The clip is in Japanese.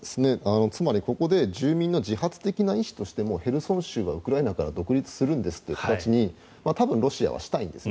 つまり、ここで住民の自発的な意思としてヘルソン州はウクライナから独立するんですという形に多分ロシアはしたいんです。